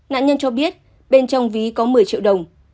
nạn nhân cho biết bên trong ví có một mươi triệu đồng